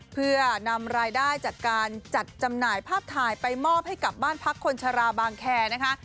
เพื่อนำรายได้จากการจัดจำหน่ายภาพถ่ายไปมอบให้กับบ้านพักคนชะลาบางแคร์นะคะ